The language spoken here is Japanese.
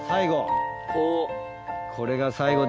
最後。